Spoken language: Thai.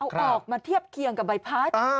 เอาออกมาเทียบเคียงกับใบพัด